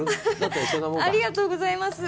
ありがとうございます。